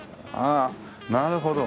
ああなるほど。